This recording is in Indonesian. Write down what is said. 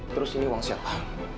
terus ini uang siapa